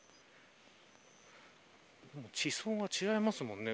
地層が違いますもんね。